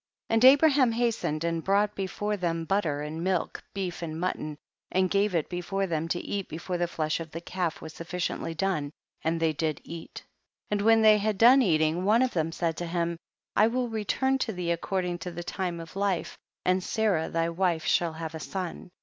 8. And Abraham hastened and brought before them butter and milk, beef and mutton, and gave it before them to eat before the flesh of the calf was sufficiently done, and they did eat. Hebrew y'pi^, to seek or inquire after him. THE BOOK OF JASHER. 49 9. And when ihey had done eat ing, 0716 of them said to him, I will return to thee according to the time of hfe, and Sarah thy wife shall have a son.